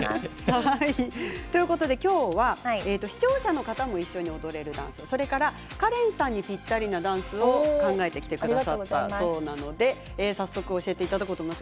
きょうは視聴者の方も一緒に踊れるダンスそれからカレンさんにぴったりなダンスを考えてきてくださったそうなので早速教えていただこうと思います